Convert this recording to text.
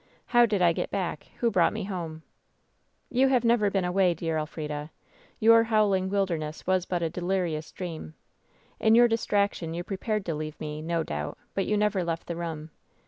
How did I get back ? Who brought me home ?" "You have never been away, dear Elfrida. Your ^howling wilderness* was but a delirious dream. In your distraction you prepared to leave me, no doubt, but you never left the room.